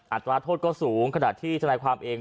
อัตราโทษก็สูงขนาดที่ทนายความเอง